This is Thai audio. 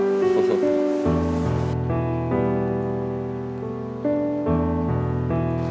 ขอบคุณครับ